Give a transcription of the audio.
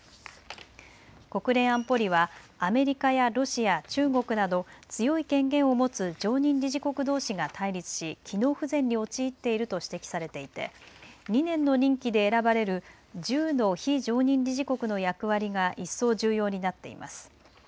国連安保理はアメリカやロシア、中国など強い権限を持つ常任理事国どうしが対立し機能不全に陥っていると指摘されていて２年の任期で選ばれる１０の非常任理事国の役割が一層重要になっています。